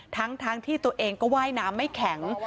ทั้งที่ตัวเองก็ว่ายน้ำไม่แข็ง